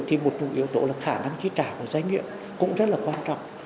thì một yếu tố là khả năng chi trả của doanh nghiệp cũng rất là quan trọng